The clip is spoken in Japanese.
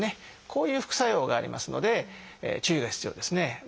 こういう副作用がありますので注意が必要ですね。